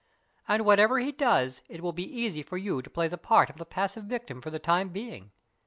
And whatever he does it will be easy for you to play the part of the passive victim for the time being.